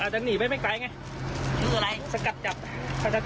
บ้างไม่มาก